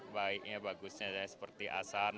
baiknya bagusnya seperti asan